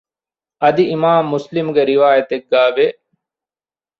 އަދި އިމާމު މުސްލިމުގެ ރިވާޔަތެއްގައި ވޭ